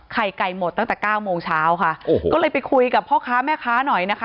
ไข่ไก่หมดตั้งแต่เก้าโมงเช้าค่ะโอ้โหก็เลยไปคุยกับพ่อค้าแม่ค้าหน่อยนะคะ